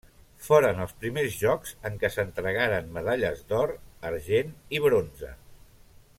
Foren els primers Jocs en què s'entregaren medalles d'or, argent i bronze.